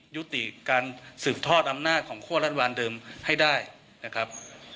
ยุติการสืบทอดอำนาจของคั่วรัฐบาลเดิมให้ได้นะครับ